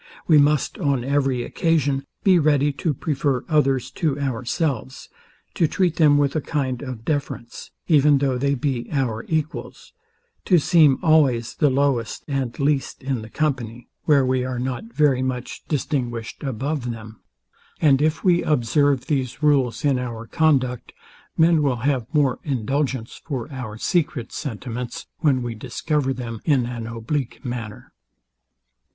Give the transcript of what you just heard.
We must, on every occasion, be ready to prefer others to ourselves; to treat them with a kind of deference, even though they be our equals; to seem always the lowest and least in the company, where we are not very much distinguished above them: And if we observe these rules in our conduct, men will have more indulgence for our secret sentiments, when we discover them in an oblique manner.